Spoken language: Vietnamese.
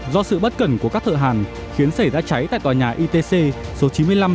do sự bất cẩn của các thợ hàn khiến xảy ra cháy tại tòa nhà itc số chín mươi năm nghìn một trăm linh một